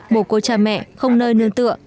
một cô cha mẹ không nơi nương tựa